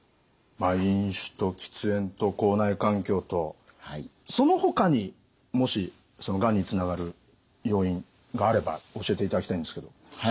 飲酒と喫煙と口内環境とそのほかにもしがんにつながる要因があれば教えていただきたいんですけど。